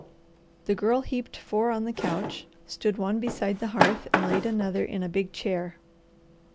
The Girl heaped four on the couch, stood one beside the hearth, and laid another in a big chair.